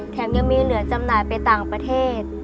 ยังมีเหลือจำหน่ายไปต่างประเทศ